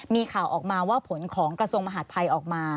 มีข่าวออกมาว่าผลของกระทรวงมหาดไทยออกมา